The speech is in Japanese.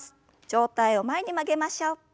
上体を前に曲げましょう。